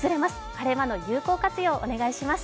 晴れ間の有効活用をお願いします。